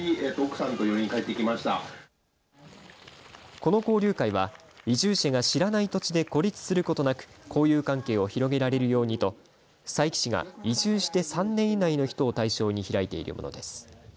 この交流会は移住者が知らない土地で孤立することなく交友関係を広げられるようにと佐伯市が移住して３年以内の人を対象に開いているものです。